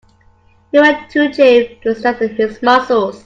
He went to gym to strengthen his muscles.